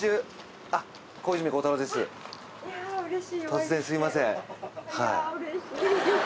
突然すいません。